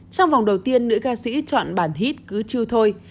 trong vòng đầu tiên nữ ca sĩ chọn bản hit cứ chiêu thôi